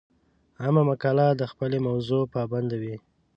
عامه مقاله د خپلې موضوع پابنده وي.